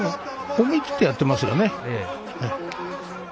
思い切ってやってますよね。